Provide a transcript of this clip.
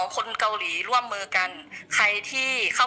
๒คนเกาหลีร่วมเงินในการการดูกเรือ